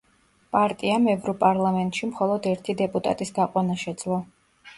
პარტიამ ევროპარლამენტში მხოლოდ ერთი დეპუტატის გაყვანა შეძლო.